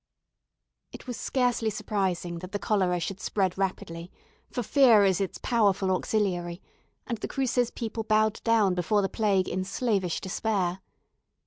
It was scarcely surprising that the cholera should spread rapidly, for fear is its powerful auxiliary, and the Cruces people bowed down before the plague in slavish despair.